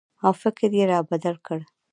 او فکر یې را بدل کړ